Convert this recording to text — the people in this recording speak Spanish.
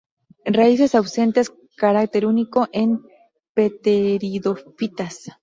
Raíces ausentes, carácter único en pteridofitas.